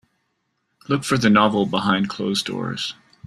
Look for the novel Behind closed doors